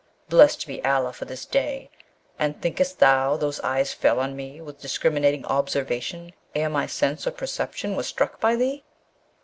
Blessed be Allah for this day! And thinkest thou those eyes fell on me with discriminating observation ere my sense of perception was struck by thee?